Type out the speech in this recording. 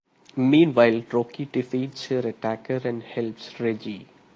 Meanwhile, Rocky defeats her attacker and helps Reggie.